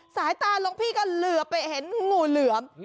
สายตาหลวงพี่ก็เหลือไปเห็นงูเหลือม